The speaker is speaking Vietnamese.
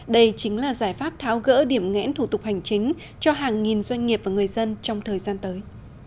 đây chính là giải pháp tháo gỡ điểm ngẽn thủ tục hành chính cho hàng nghìn doanh nghiệp và người dân trong thời gian tới